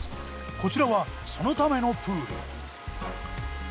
こちらはそのためのプール。